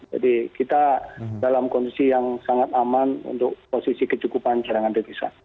jadi kita dalam kondisi yang sangat aman untuk posisi kecukupan cadangan devisa